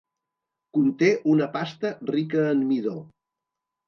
Conté una pasta rica en midó.